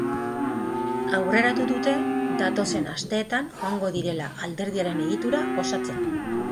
Aurreratu dute datozen asteetan joango direla alderdiaren egitura osatzen.